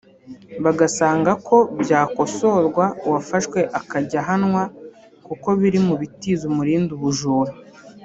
bagasaba ko byakosorwa uwafashwe akajya ahanwa kuko biri mu bitiza umurindi ubujura